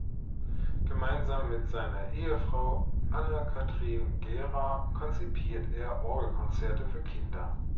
Gemeinsam mit seiner Ehefrau Anne-Katrin Gera konzipiert er Orgelkonzerte für Kinder.